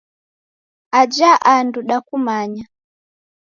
Aja andu dakumanya.